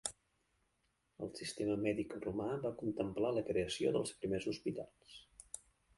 El sistema mèdic romà va contemplar la creació dels primers hospitals.